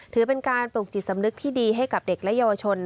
ถือเป็นการปลูกจิตสำนึกที่ดีให้กับเด็กและเยาวชน